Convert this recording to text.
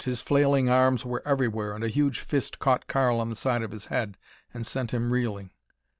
His flailing arms were everywhere and a huge fist caught Karl on the side of his head and sent him reeling.